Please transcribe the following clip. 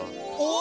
お！